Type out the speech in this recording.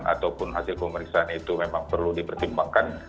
ataupun hasil pemeriksaan itu memang perlu dipertimbangkan